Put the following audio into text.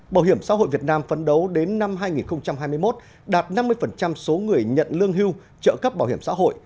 bảo hiểm xã hội việt nam phấn đấu đến năm hai nghìn hai mươi một đạt năm mươi số người nhận lương hưu trợ cấp bảo hiểm xã hội